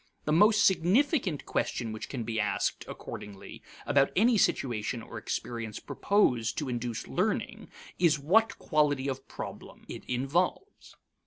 The most significant question which can be asked, accordingly, about any situation or experience proposed to induce learning is what quality of problem it involves.